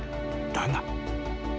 だが］